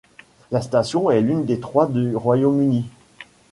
La station est l'une des trois du Royaume-Uni.